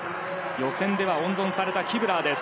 予選では温存されたキブラー。